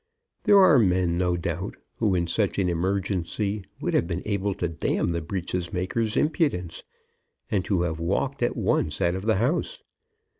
There are men, no doubt, who in such an emergency would have been able to damn the breeches maker's impudence, and to have walked at once out of the house.